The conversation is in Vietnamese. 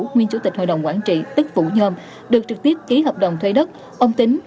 nguyên chủ tịch hội đồng quản trị tức vũ nhôm được trực tiếp ký hợp đồng thuê đất